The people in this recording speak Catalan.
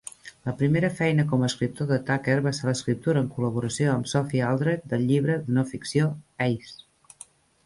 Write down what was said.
La primera feina com a escriptor de Tucker va ser l'escriptura en col·laboració amb Sophie Aldred del llibre de no-ficció "Ace!